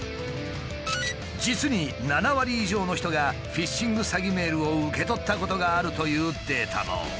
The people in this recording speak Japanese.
実に７割以上の人がフィッシング詐欺メールを受け取ったことがあるというデータも。